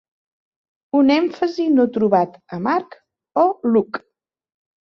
Un èmfasi no trobat a Mark o Luke.